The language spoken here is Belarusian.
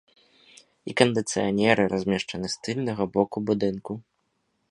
І кандыцыянеры размешчаны з тыльнага боку будынку.